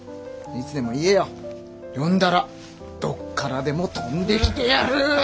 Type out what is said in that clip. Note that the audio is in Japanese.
呼んだらどっからでも飛んできてやる！